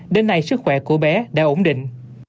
đến nay sức khỏe của bé đã ổn định